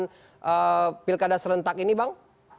dan pilkada serentak ini bang